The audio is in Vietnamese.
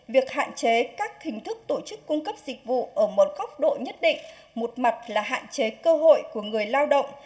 việc hạn chế các hình thức tổ chức cung cấp dịch vụ ở một góc độ nhất định một mặt là hạn chế cơ hội của người lao động